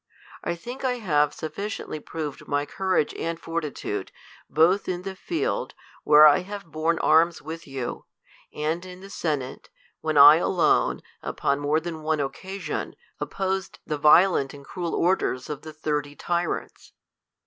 I think I have J r;fficicntly proved my courage and foi'titude, both in ^he iield, where I have borne amis with you, and in the< Senate, when I alone, upon more than one occasion, opposed the violent and cruel orders of the thirty ty rants.